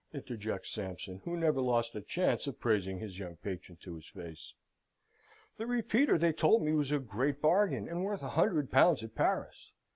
interjects Sampson, who never lost a chance of praising his young patron to his face. "The repeater, they told me, was a great bargain, and worth a hundred pounds at Paris.